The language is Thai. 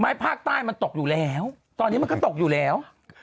ภาคใต้มันตกอยู่แล้วตอนนี้มันก็ตกอยู่แล้ว